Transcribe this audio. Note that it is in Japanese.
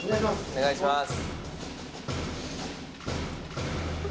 お願いします